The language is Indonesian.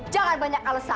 jangan banyak alesan